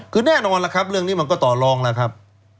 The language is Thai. คือแน่นอนล่ะครับเรื่องนี้มันก็ต่อลองแล้วครับ